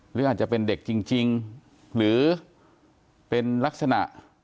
หรืออาจจะเป็นเด็กจริงหรือเป็นลักษณะ